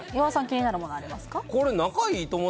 気になるものありますか？